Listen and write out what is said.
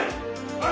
はい！